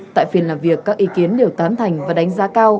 tại phiên làm việc các ý kiến đều tán thành và đánh giá cao